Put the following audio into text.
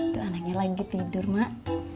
tuh anaknya lagi tidur mak